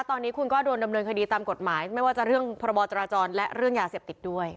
ตอนนี้คุณก็โดนดำเนินคดีตามกฎหมายไม่ว่าจะเรื่องพรบจราจรและเรื่องยาเสพติดด้วย